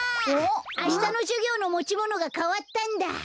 あしたのじゅぎょうのもちものがかわったんだ。